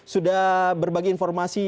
sudah berbagi informasi